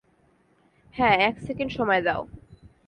হ্যাঁ, এক সেকেন্ড সময় দাও।